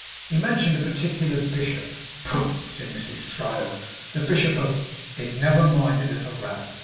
He mentioned a particular bishop. 'Poh! (said Mrs. Thrale) the Bishop of is never minded at a rout.'